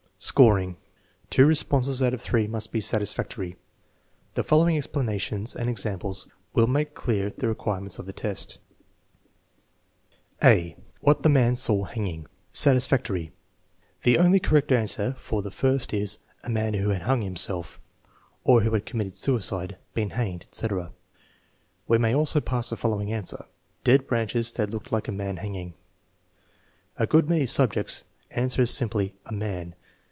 Scoring. Two responses out of three must be satisfactory. The following explanations and examples will make clear the requirements of the test: (a) What the man saw hanging Satisfactory. The only correct answer for the first is "A man who had hung himself" (or who had committed suicide, been hanged, etc.). We may also pass the following answer: "Dead branches that looked like a man hanging." A good many subjects answer simply, "A man."